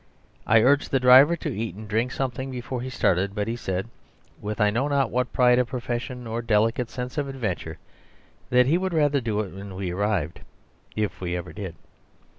I urged the driver to eat and drink something before he started, but he said (with I know not what pride of profession or delicate sense of adventure) that he would rather do it when we arrived if we ever did.